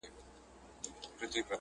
خو درد بې ځوابه پاتې کيږي تل